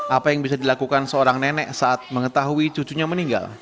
apa yang bisa dilakukan seorang nenek saat mengetahui cucunya meninggal